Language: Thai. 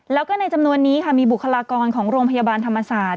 แล้วก็ในจำนวนนี้ค่ะมีบุคลากรของโรงพยาบาลธรรมศาสตร์